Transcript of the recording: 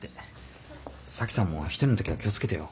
沙樹さんも一人の時は気を付けてよ。